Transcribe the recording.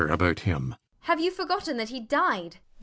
Have you forgotten that he died?